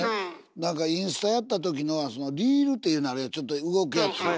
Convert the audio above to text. なんかインスタやったときのリールっていうのあれちょっと動くやつ。